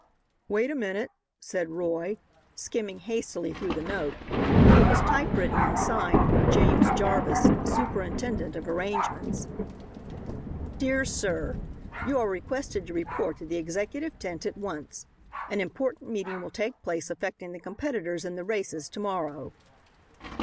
"Wait a minute," said Roy, skimming hastily through the note. It was typewritten and signed: James Jarvis, Superintendent of Arrangements. "Dear sir: You are requested to report at the executive tent at once. An important meeting will take place affecting the competitors in the races to morrow."